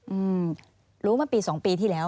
อืมรู้มาปีสองปีที่แล้ว